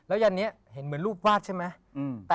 ยันนี้เห็นเหมือนรูปวาดใช่ไหม